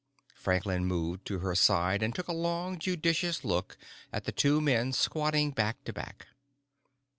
Franklin moved to her side and took a long, judicious look at the two men squatting back to back.